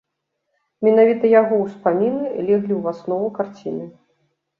Менавіта яго ўспаміны леглі ў аснову карціны.